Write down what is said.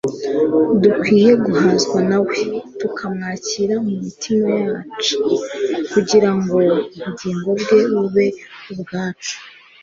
Dukwiriye guhazwa na we, tukamwakira mu mitima yaca kugira ngo ubugingo bwe bube ubwacu.